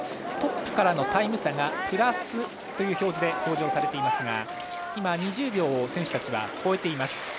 トップからのタイム差がプラスと表示されていますが２０秒を選手たちは超えています。